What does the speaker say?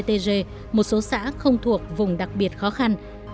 tổng thống xã không thuộc vùng đặc biệt khó khăn